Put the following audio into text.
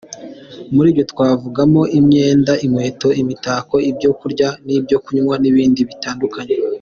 Muri byo twavugamo imyenda, inkweto, imitako, ibyo kurya n’ibyo kunywa n’ibindi bitandukanye.